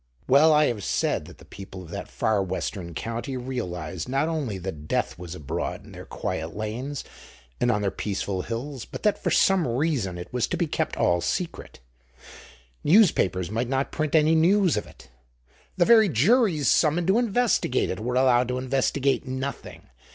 Well, I have said that the people of that far western county realized, not only that death was abroad in their quiet lanes and on their peaceful hills, but that for some reason it was to be kept all secret. Newspapers might not print any news of it, the very juries summoned to investigate it were allowed to investigate nothing.